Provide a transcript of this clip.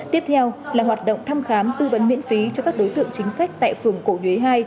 tiếp theo là hoạt động thăm khám tư vấn miễn phí cho các đối tượng chính sách tại phường cổ nhuế hai